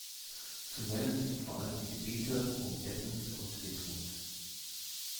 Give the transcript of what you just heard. Zu nennen sind vor allem die Gebiete um Esens und Wittmund.